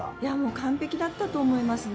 完璧だったと思います。